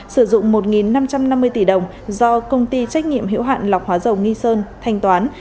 sử dụng một năm trăm năm mươi tỷ đồng do công ty trách nhiệm hiệu hạn lọc hóa dầu nghi sơn thanh toán